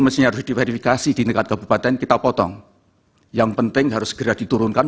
mestinya harus diverifikasi di dekat kabupaten kita potong yang penting harus segera diturunkan